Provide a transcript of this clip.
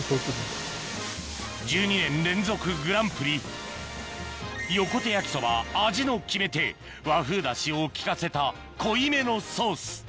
１２年連続グランプリ横手焼きそば味の決め手和風出汁を効かせた濃いめのソース